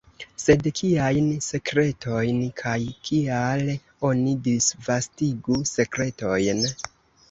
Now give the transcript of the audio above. Sed kiajn sekretojn, kaj kial oni disvastigu sekretojn?